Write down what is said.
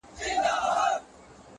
سترگي دي پټي كړه ويدېږمه زه _